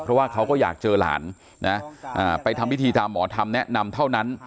เพราะว่าเขาก็อยากเจอหลานนะไปทำพิธีตามหมอธรรมแนะนำเท่านั้น